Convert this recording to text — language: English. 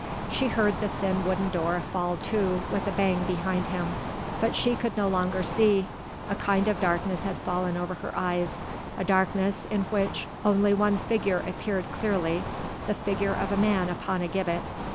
She heard the thin wooden door fall to with a bang behind him; but she could no longer see, a kind of darkness had fallen over her eyes, a darkness, in which only one figure appeared clearly the figure of a man upon a gibbet.